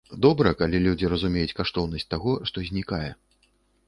Добра, калі людзі разумеюць каштоўнасць таго, што знікае.